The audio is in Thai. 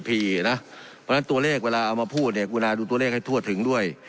เพราะฉะนั้นตัวเลขเวลาเอามาพูดเนี่ยคุณาดูตัวเลขให้ทั่วถึงด้วย